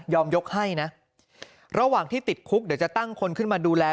ยกให้นะระหว่างที่ติดคุกเดี๋ยวจะตั้งคนขึ้นมาดูแล